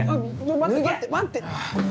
待って待って！